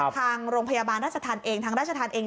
ทางโรงพยาบาลราชธรรมเอง